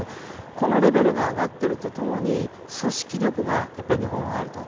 個のレベルが上がっていると共に組織力が日本はあると。